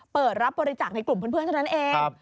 เปิดรับบริจาคในกลุ่มเพื่อนเท่านั้นเอง